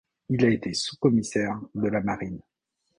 Il a été sous commissaire de la Marine.